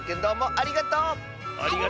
ありがとう！